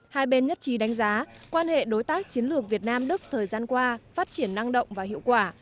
hai bên nhất trí đánh giá quan hệ đối tác chiến lược việt nam đức thời gian qua phát triển năng động và hiệu quả